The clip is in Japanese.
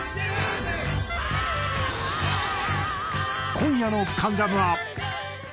今夜の『関ジャム』は。